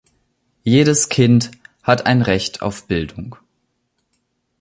Jedes Kind hat ein Recht auf Bildung.